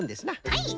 はい。